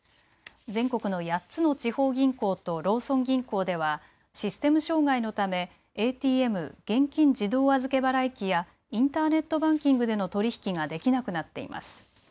全国の８つの地方銀行とローソン銀行ではシステム障害のためＡＴＭ・現金自動預け払い機やインターネットバンキングでの取り引きができなくなっています。